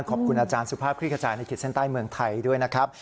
ขอบคุณอาจารย์สุภาพคลิกขจายในขีดเส้นใต้เมืองไทยด้วยนะครับ